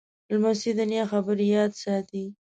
لمسی د نیا خبرې یاد ساتي.